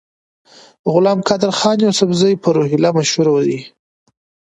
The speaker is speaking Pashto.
غلام قادرخان یوسفزي په روهیله مشهور دی.